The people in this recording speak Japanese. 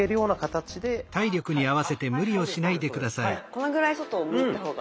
このぐらい外を向いた方が。